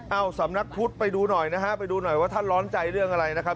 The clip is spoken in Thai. เอาสำนักพุทธไปดูหน่อยนะฮะไปดูหน่อยว่าท่านร้อนใจเรื่องอะไรนะครับ